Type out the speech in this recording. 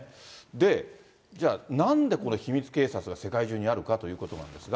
で、じゃあ、なんでこの秘密警察が世界中にあるかということなんですが。